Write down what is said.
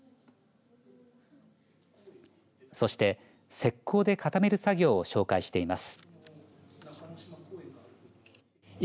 そして石こうで固める作業を紹介しています。